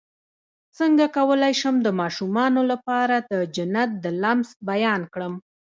څنګه کولی شم د ماشومانو لپاره د جنت د لمس بیان کړم